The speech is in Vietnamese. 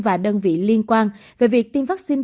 và đơn vị liên quan về việc tiêm vaccine